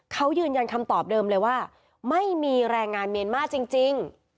เขายืนยันคำตอบเดิมเลยว่าไม่มีแรงงานเมียนมาร์จริง